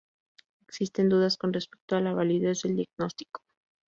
Existen dudas con respecto a la validez del diagnóstico.